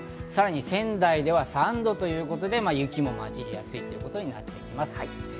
さらに仙台では３度ということで雪も混じりやすいということになっていきます。